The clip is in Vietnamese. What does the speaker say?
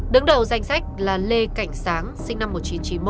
đứng đầu danh sách là lê cảnh sáng sinh năm một nghìn chín trăm chín mươi một